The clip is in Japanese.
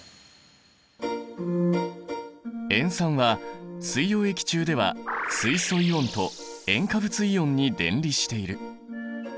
塩酸は水溶液中では水素イオンと塩化物イオンに電離している。